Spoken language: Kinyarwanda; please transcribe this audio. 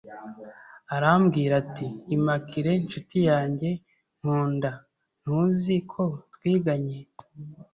arambwira ati “Immaculée nshuti yanjye nkunda, ntuzi ko twiganye?